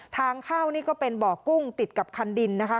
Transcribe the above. ทางเข้านี่ก็เป็นบ่อกุ้งติดกับคันดินนะคะ